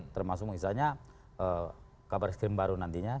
termasuk misalnya kabar skrim baru nantinya